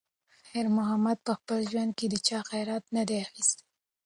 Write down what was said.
خیر محمد په خپل ژوند کې د چا خیرات نه دی اخیستی.